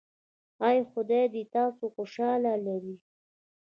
ایا خدای دې تاسو خوشحاله لري؟